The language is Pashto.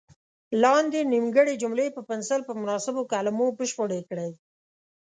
لاندې نیمګړې جملې په پنسل په مناسبو کلمو بشپړې کړئ.